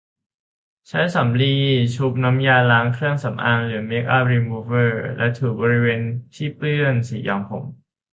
ใช้สำลีชุบน้ำยาล้างเครื่องสำอางหรือเมคอัพรีมูฟเวอร์ และถูบริเวณที่เปื้อนสีย้อมผม